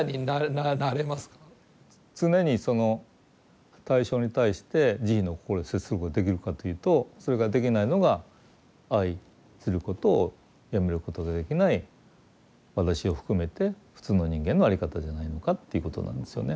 常にその対象に対して慈悲の心で接することができるかというとそれができないのが愛することをやめることができない私を含めて普通の人間の在り方じゃないのかっていうことなんですよね。